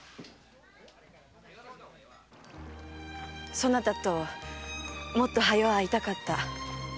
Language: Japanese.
そなたともっと早う会いたかった。